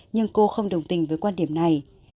nhưng cô không đồng tình với quan điểm này